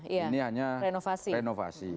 ini hanya renovasi